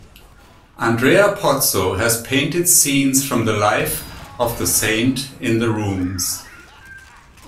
Andrea Pozzo has painted scenes from the life of the saint in the rooms.